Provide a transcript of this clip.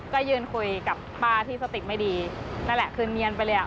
ก็ยืนคุยกับป้าที่สติไม่ดีนั่นแหละคืนเนียนไปเลยอ่ะ